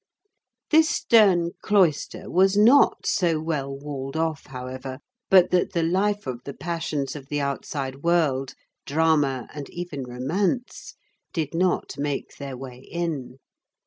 This stern cloister was not so well walled off, however, but that the life of the passions of the outside world, drama, and even romance, did not make their way in.